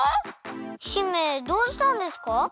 姫どうしたんですか？